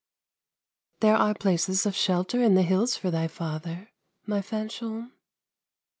" There are places of shelter in the hills for thy father, my Fanchon."